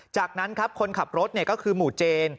จากนั้นครับคนขับรถก็คือหมู่เจน